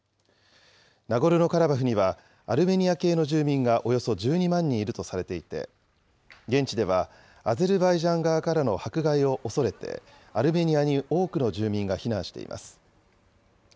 ナゴルノカラバフにはアルメニア系の住民がおよそ１２万人いるとされていて、現地では、アゼルバイジャン側からの迫害を恐れて、アルメニアに多くの住民が避難しています。